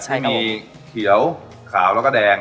ใช่มีเขียวขาวแล้วก็แดง